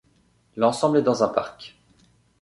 L'ensemble est dans un parc.